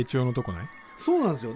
そうなんですよ。